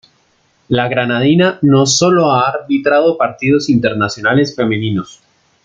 La granadina no sólo ha arbitrado partidos internacionales femeninos.